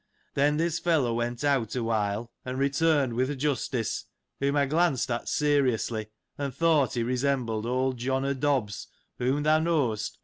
^ Then, this fellow went out, a while, and returned with th' Justice, whom I glanced at seriously and thought he resembled old John o'Dobbs, whom thou know'st always wears a 1.